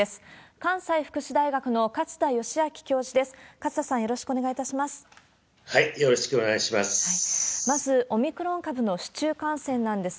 関西福祉大学の勝田吉彰教授です。